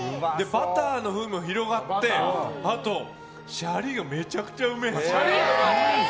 バターの風味も広がってあとシャリがめちゃくちゃうめえ。